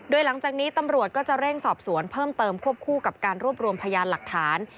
โดยหลังจากนี้ตำรวจก็จะเร่งสอบสวนเพิ่มเติมควบคู่กับการรวบรวมพยานหลักฐาน